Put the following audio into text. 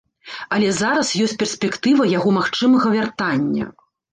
Але зараз ёсць перспектыва яго магчымага вяртання.